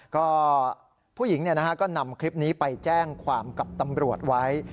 ก็ผู้หญิงก็นำคลิปนี้ไปแจ้งความกับตำรวจไว้